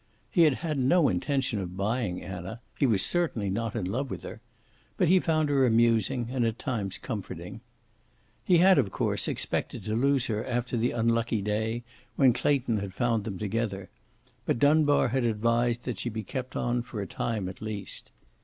He had had no intention of buying Anna. He was certainly not in love with her. But he found her amusing and at times comforting. He had, of course, expected to lose her after the unlucky day when Clayton had found them together, but Dunbar had advised that she be kept on for a time at least.